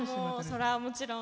それは、もちろん。